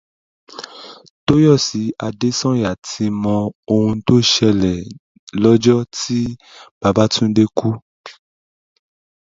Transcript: Tóyọ̀sí Adésànyà ti mọ oun tó ṣẹlẹ̀ lọ́jọ́ tí Babátúndé kú